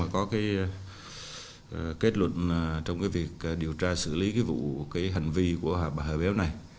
có kết luận trong việc điều tra xử lý vụ hành vi của bà herbel này